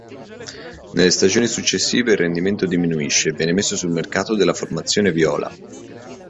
Nelle stagioni successive il rendimento diminuisce, e viene messo sul mercato dalla formazione viola.